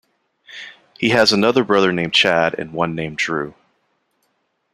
He has another brother named Chad and one named Drew.